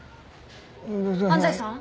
安西さん？